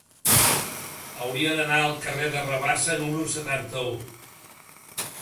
Hauria d'anar al carrer de Rabassa número setanta-u.